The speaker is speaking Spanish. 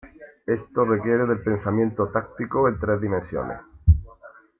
Esto requiere del pensamiento táctico en tres dimensiones.